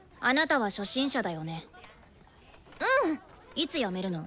いつ辞めるの？